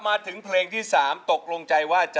ในเพลงที่๓นี้